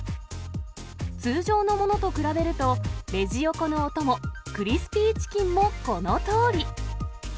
通常のものと比べると、レジ横のお供、クリスピーチキンもこのとおり。